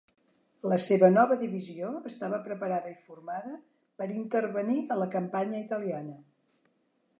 La seva nova divisió estava preparada i formada per intervenir a la campanya italiana.